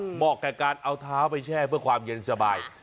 เหมาะกับการเอาเท้าไปแช่เพื่อความเย็นสบาย